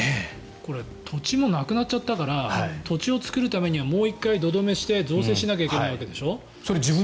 これ土地もなくなっちゃったから土地を作るためにはもう１回、土留めして造成しないといけないわけでしょ？